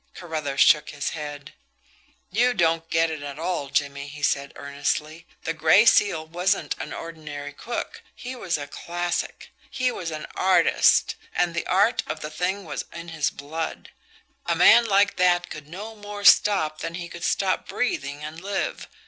Carruthers shook his head. "You don't get it at all, Jimmie," he said earnestly. "The Gray Seal wasn't an ordinary crook he was a classic. He was an artist, and the art of the thing was in his blood. A man like that could no more stop than he could stop breathing and live.